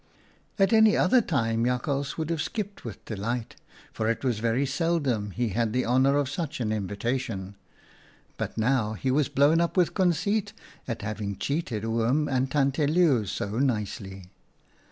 4 'At any other time Jakhals would have skipped with delight, for it was very seldom he had the honour of such an invitation, but now he was blown up with conceit at having cheated Oom and Tante Leeuw so nicely.